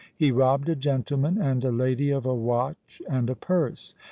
He robbed a gentleman and a lady of a watch and a purse.